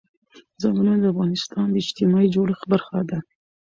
ځنګلونه د افغانستان د اجتماعي جوړښت برخه ده.